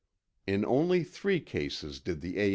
In only three cases did the A.